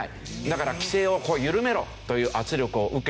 だから規制を緩めろという圧力を受けてですね